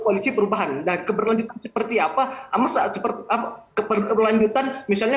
koalisi perubahan dan keberlanjutan seperti apa amat seperti apa keperlanjutan misalnya